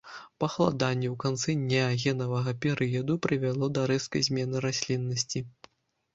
Пахаладанне ў канцы неагенавага перыяду прывяло да рэзкай змены расліннасці.